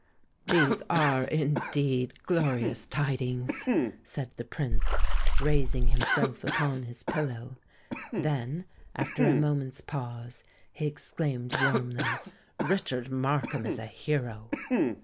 "These are indeed glorious tidings!" said the Prince, raising himself upon his pillow; then, after a moment's pause, he exclaimed warmly, "Richard Markham is a hero!"